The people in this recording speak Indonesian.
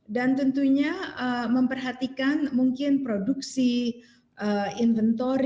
dan tentunya memperhatikan mungkin produksi inventory